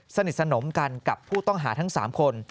สนิทสนมกันกับผู้ต้องหาทั้ง๓คน